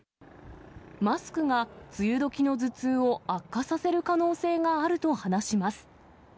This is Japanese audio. マスクが梅雨時の頭痛を悪化させる可能性があると話します。